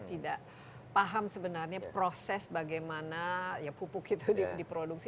tidak paham sebenarnya proses bagaimana ya pupuk itu diproduksi